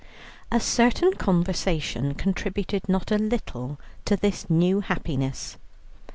A certain conversation contributed not a little to this new happiness.